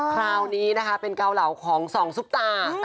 คราวนี้นะคะเป็นเกาเหลาของสองซุปตา